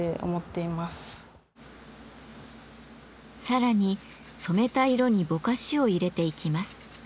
さらに染めた色にぼかしを入れていきます。